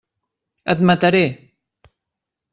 Et mataré!